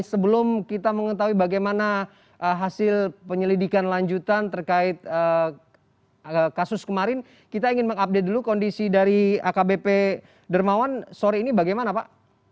sebelum kita mengetahui bagaimana hasil penyelidikan lanjutan terkait kasus kemarin kita ingin mengupdate dulu kondisi dari akbp dermawan sore ini bagaimana pak